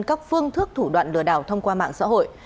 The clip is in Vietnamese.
các phương thức thủ đoạn lừa đảo thông qua mạng xã hội